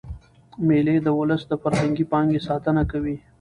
مېلې د اولس د فرهنګي پانګي ساتنه کوي.